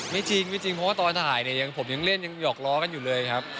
ไม่จริงไม่จริงเพราะว่าตอนถ่ายเนี่ยผมยังเล่นยังหอกล้อกันอยู่เลยครับ